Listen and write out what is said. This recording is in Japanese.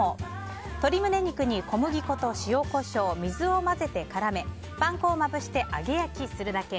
鶏胸肉に小麦粉と塩、コショウ水を混ぜて絡めパン粉をまぶして揚げ焼きするだけ。